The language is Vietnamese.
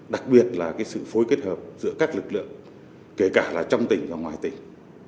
đặc biệt là sự phối kết hợp giữa các lực lượng kể cả là trong tỉnh và ngoài tỉnh